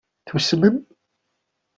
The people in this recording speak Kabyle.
Tusmem?